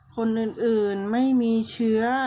คนอื่นไม่มีเชื้อ